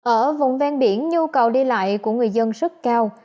ở vùng ven biển nhu cầu đi lại của người dân rất cao